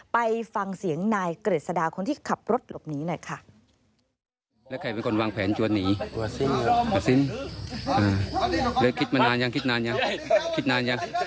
ไปฟังเสียงนายกฤษดาคนที่ขับรถหลบหนีหน่อยค่ะ